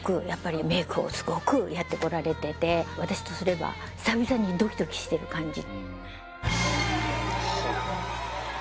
メイクをすごくやってこられてて私とすれば久々にドキドキしてる感じ。